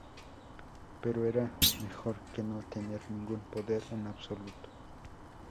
Pero era mejor que no tener ningún poder en absoluto.